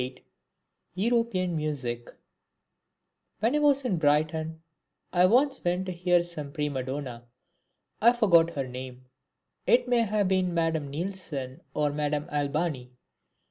PART VI (28) European Music When I was in Brighton I once went to hear some Prima Donna. I forget her name. It may have been Madame Neilson or Madame Albani.